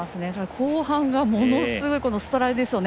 後半が、ものすごいこのストライドですよね。